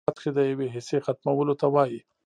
حذف په لغت کښي د یوې حصې ختمولو ته وايي.